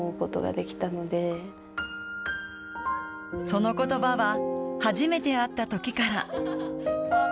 その言葉は、初めて会った時から。